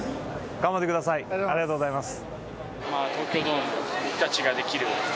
頑張ってくださいありがとうございます。